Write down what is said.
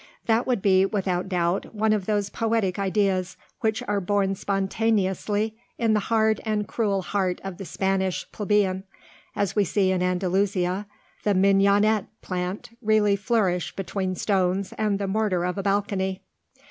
That would be, without doubt, one of those poetic ideas which are born spontaneously in the hard and cruel heart of the Spanish plebeian, as we see in Andalusia the mignonette plant really flourish between stones and the mortar of a balcony.